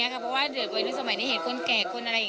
เกิดเหมือนดูสมัยนี้เห็นคนแก่คนอะไร